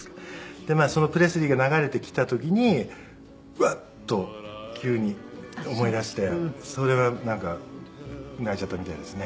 でまあそのプレスリーが流れてきた時にうわっと急に思い出してそれはなんか泣いちゃったみたいですね。